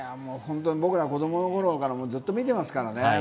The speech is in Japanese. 僕ら、子供の頃からずっと見てますからね。